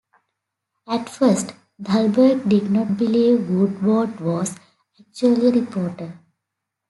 At first, Dahlberg did not believe Woodward was actually a reporter.